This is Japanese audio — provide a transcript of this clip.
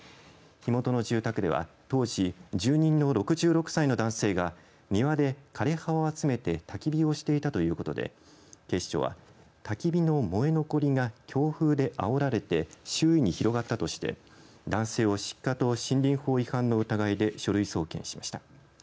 火元の住宅では当時住人の６６歳の男性が庭で枯れ葉を集めてたき火をしていたということで警視庁はたき火の燃え残りが強風であおられて周囲に広がったとして男性を失火と森林法違反の疑いで書類送検しました。